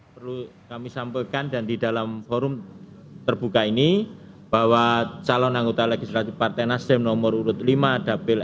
perlu kami sampaikan dan di dalam forum terbuka ini bahwa calon anggota legislatif partai nasdem nomor urut lima dapil